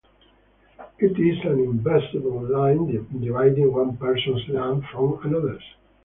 It is an invisible line dividing one person's land from another's.